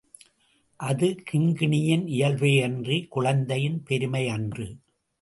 அது கிங்கிணியின் இயல்பேயன்றி, குழந்தையின் பெருமை அன்று.